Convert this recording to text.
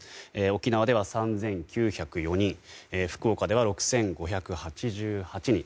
沖縄では３９０４人福岡では６５８８人